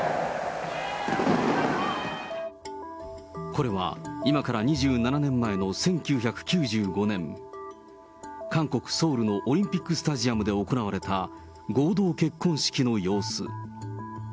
これは今から２７年前の１９９５年、韓国・ソウルのオリンピックスタジアムで行われた、合同結婚式の様子。